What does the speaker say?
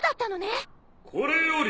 ・これより！